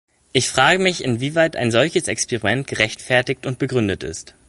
Ich frage mich, inwieweit ein solches Experiment gerechtfertigt und begründet ist.